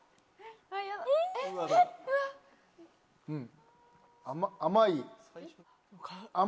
うん。